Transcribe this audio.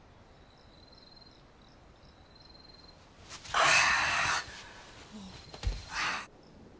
ああ。